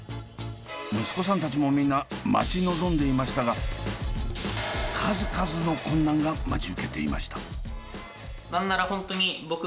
息子さんたちもみんな待ち望んでいましたが数々の困難が待ち受けていました。